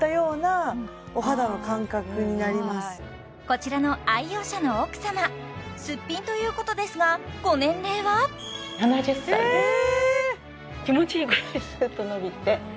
こちらの愛用者の奥様すっぴんということですがご年齢は７０歳です